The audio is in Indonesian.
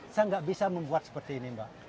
saya nggak bisa membuat seperti ini mbak